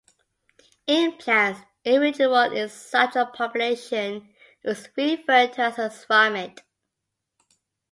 In plants, an individual in such a population is referred to as a ramet.